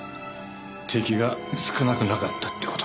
敵が少なくなかったってことか。